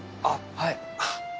あっはい。